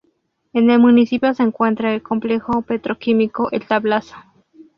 En el municipio se encuentra el complejo petroquímico El Tablazo.